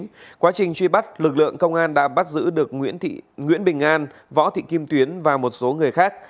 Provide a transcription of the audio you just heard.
trong quá trình truy bắt lực lượng công an đã bắt giữ được nguyễn bình an võ thị kim tuyến và một số người khác